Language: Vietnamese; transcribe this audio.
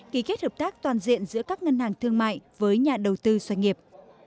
ký kết hợp tác toàn diện giữa các ngân hàng thương mại với nhà đầu tư doanh nghiệp